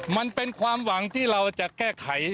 มันเป็นความหวังที่เราจะแก้ไข